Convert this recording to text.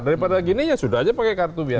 daripada gini ya sudah aja pakai kartu biasa